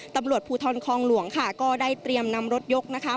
ตำรวจภูทรคองหลวงค่ะก็ได้เตรียมนำรถยกนะคะ